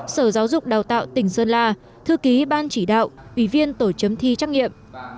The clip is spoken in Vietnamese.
sở giáo dục đào tạo tỉnh sơn la thư ký ban chỉ đạo ủy viên tổ chấm thi trắc nghiệm